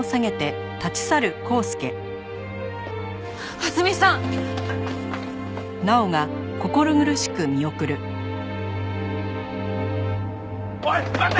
蓮見さん！おい待て！